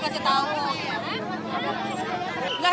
selalu dikasih tahu